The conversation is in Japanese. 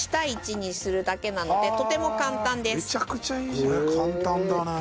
これ簡単だね。